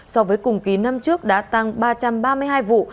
so với cùng kỳ năm trước đã tăng ba trăm ba mươi hai vụ